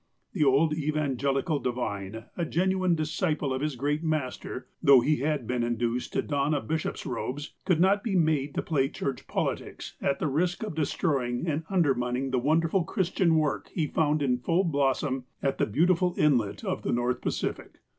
The old evangelical divine, a genuine disciple of his great Master, though he had been induced to don a bishop's robes, could not be made to play church politics at the risk of destroying and undermining the wonderful Christian work he found in full blossom at the beautiful inlet of the North Pacific.